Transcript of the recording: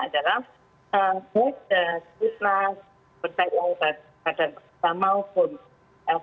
yang tak bisa berpajak intinya perusahaan di bps